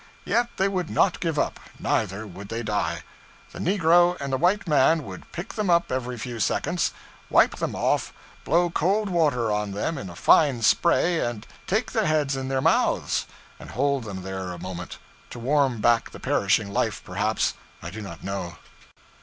Yet they would not give up, neither would they die. The negro and the white man would pick them up every few seconds, wipe them off, blow cold water on them in a fine spray, and take their heads in their mouths and hold them there a moment to warm back the perishing life perhaps; I do not know.